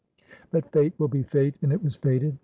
But Fate will be Fate, and it was fated.